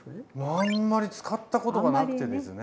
あんまり使ったことがなくてですね。